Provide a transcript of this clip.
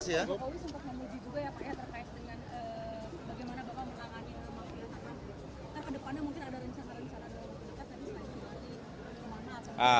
bapak wiss untuk memuji juga ya pak ya terkait dengan bagaimana bapak menangani mafian tanah